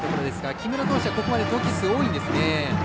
木村投手、ここまで投球数が多いんですね。